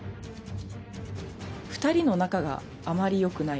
２人の仲があまりよくない。